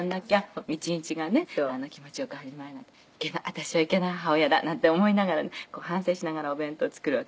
私はいけない母親だなんて思いながらね反省しながらお弁当作るわけで。